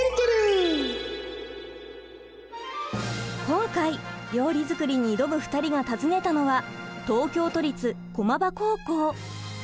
今回料理作りに挑む２人が訪ねたのは東京都立駒場高校。